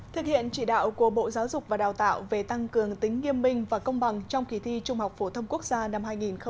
thực hiện chỉ đạo của bộ giáo dục và đào tạo về tăng cường tính nghiêm minh và công bằng trong kỳ thi trung học phổ thông quốc gia năm hai nghìn một mươi chín